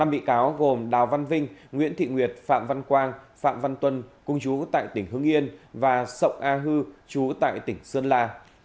năm bị cáo gồm đào văn vinh nguyễn thị nguyệt phạm văn quang phạm văn tuân cùng chú tại tỉnh hưng yên và sộng a hư chú tại tỉnh sơn la